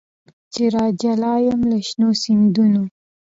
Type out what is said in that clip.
چي راجلا یم له شنو سیندونو